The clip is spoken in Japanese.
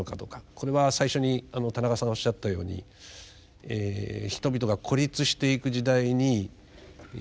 これは最初に田中さんがおっしゃったように人々が孤立していく時代に宗教団体なりさまざまな団体がですね